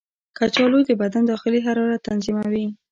کچالو د بدن داخلي حرارت تنظیموي.